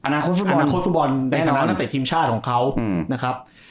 อนาคตฟุตบอลอนาคตฟุตบอลแน่นอนตั้งแต่ทีมชาติของเขาอืมนะครับ